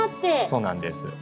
そうなんです。